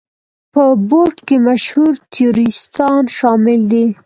په بورډ کې مشهور تیوریستان شامل دي.